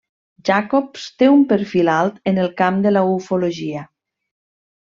Jacobs té un perfil alt en el camp de la ufologia.